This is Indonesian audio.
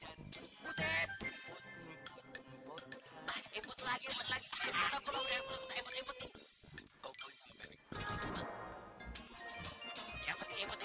halo tante kok pertanyaan aku belum dijawab sih